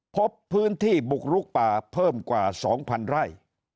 พบพื้นที่บุกลุกป่าเพิ่มกว่า๒๐๐๐ไร่